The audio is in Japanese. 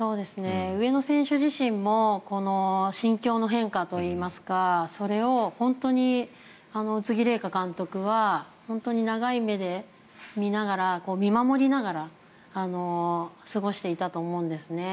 上野選手自身も心境の変化といいますかそれを本当に宇津木麗華監督は長い目で見ながら見守りながら過ごしていたと思うんですね。